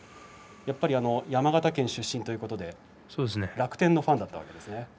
やっぱり山形県出身ということで楽天のファンだったわけですね。